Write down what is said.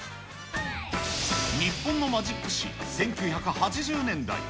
日本のマジック史、１９８０年代。